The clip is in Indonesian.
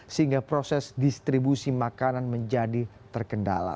sehingga proses distribusi makanan menjadi terkendala